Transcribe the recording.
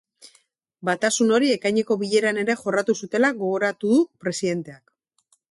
Batasun hori ekaineko bileran ere jorratu zutela gogoratu du presidenteak.